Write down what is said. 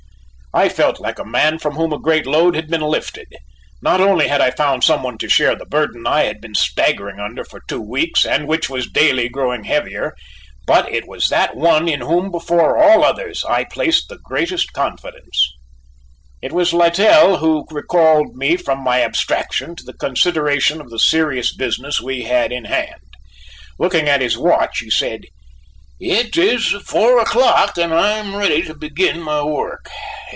I felt like a man from whom a great load had been lifted. Not only had I found some one to share the burden I had been staggering under for two weeks and which was daily growing heavier, but it was that one in whom before all others I placed the greatest confidence. It was Littell who recalled me from my abstraction to the consideration of the serious business we had in hand. Looking at his watch, he said: "It is four o'clock and I am ready to begin my work.